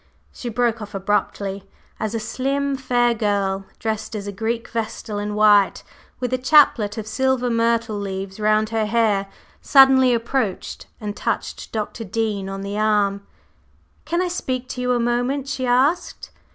She broke off abruptly, as a slim, fair girl, dressed as a Greek vestal in white, with a chaplet of silver myrtle leaves round her hair, suddenly approached and touched Dr. Dean on the arm. "Can I speak to you a moment?" she asked.